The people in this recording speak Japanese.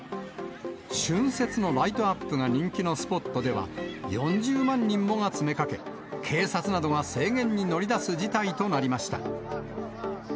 春節のライトアップが人気のスポットでは、４０万人もが詰めかけ、警察などが制限に乗り出す事態となりました。